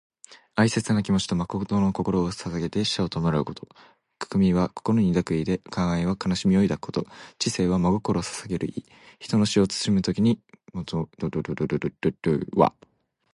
哀切な気持ちと誠の心をささげて死者を弔うこと。「銜」は心に抱く意で、「銜哀」は哀しみを抱くこと、「致誠」は真心をささげる意。人の死を悼む時に用いる語。「哀を銜み誠を致す」とも読む。